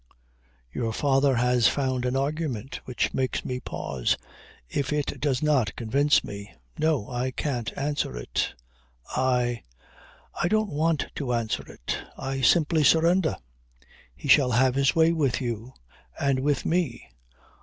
"Your father has found an argument which makes me pause, if it does not convince me. No! I can't answer it. I I don't want to answer it. I simply surrender. He shall have his way with you and with me.